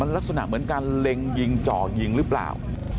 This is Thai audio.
ลักษณะเหมือนการเล็งยิงเจาะยิงหรือเปล่า